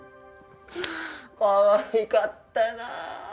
かわいかったな！